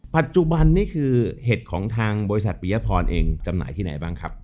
ปัจจุบันนี่คือเห็ดของทางบริษัทปริยพรเองจำหน่ายที่ไหนบ้างครับ